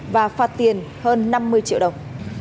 và phạt tiền hơn năm mươi triệu đồng